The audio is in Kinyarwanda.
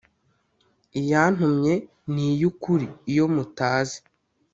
Iyantumye ni iy ukuri iyo mutazi